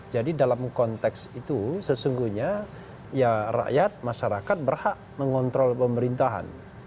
jadi dalam konteks itu sesungguhnya ya rakyat masyarakat berhak mengontrol pemerintahan